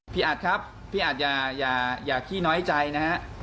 อัดครับพี่อัดอย่าขี้น้อยใจนะฮะ